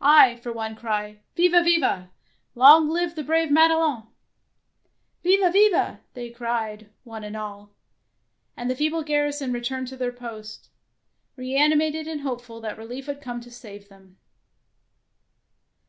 I, for one, cry, ' Viva, viva ! Long live brave Madelon !'" ''Viva, viva !" they cried, one and all; and the feeble garrison returned to their posts, reanimated and hopeful that relief would come to save them.